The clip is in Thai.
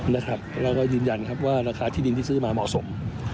แล้วก็ยืนยันครับว่าราคาที่ดินที่ซื้อมาเหมาะสม